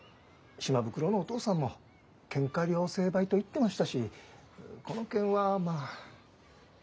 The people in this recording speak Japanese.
島袋のお父さんもケンカ両成敗と言ってましたしこの件はまあ。